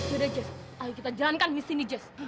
oh yaudah jess ayo kita jalankan misi ini jess